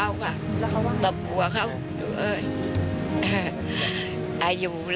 อันดับ๖๓๕จัดใช้วิจิตร